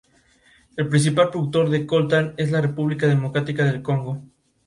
Harker queda atrapado en el castillo y es atacado por la mujer vampiro.